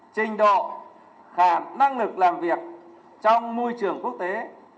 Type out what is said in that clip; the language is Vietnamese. trình độ khả năng lực làm việc trong môi trường quốc tế